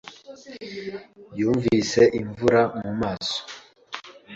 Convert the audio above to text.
Yumvise imvura mu maso.